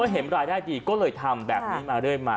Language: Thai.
เห็นรายได้ดีก็เลยทำแบบนี้มาเรื่อยมา